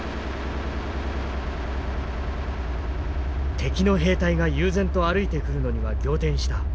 「敵の兵隊が悠然と歩いてくるのには仰天した。